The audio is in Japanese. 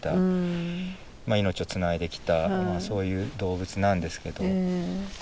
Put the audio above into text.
命をつないできたそういう動物なんですけど。